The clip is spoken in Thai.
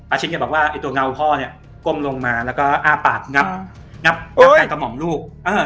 ชิตแกบอกว่าไอ้ตัวเงาพ่อเนี่ยก้มลงมาแล้วก็อ้าปากงับไก่กระหม่อมลูก